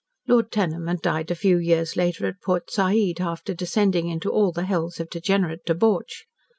Lord Tenham had died a few years later at Port Said, after descending into all the hells of degenerate debauch.